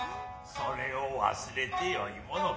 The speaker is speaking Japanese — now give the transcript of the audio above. それを忘れてよいものか。